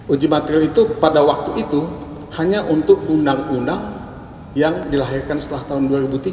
uji material itu pada waktu itu hanya untuk undang undang yang dilahirkan setelah tahun dua ribu tiga